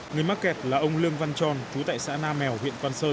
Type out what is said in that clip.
người mắc kẹt là ông lương văn tròn chú tại xã nam mèo huyện quang sơn